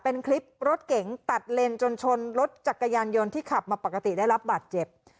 เป็นคลิปรถเก๋งตัดเลนจนชนรถจักรยานยนต์ที่ขับมาปกติได้รับบาดเจ็บ